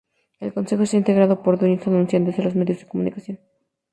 El Consejo está integrado por dueños y anunciantes de los medios de comunicación.